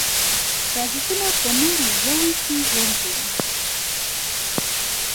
پرازیتونه په نورو ژویو ژوند کوي